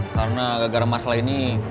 karena gak gara gara masalah ini